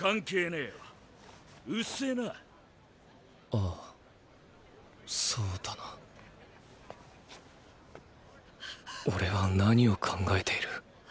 あぁそうだな。オレは何を考えている。